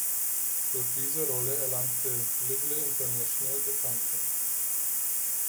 Durch diese Rolle erlangte Lively internationale Bekanntheit.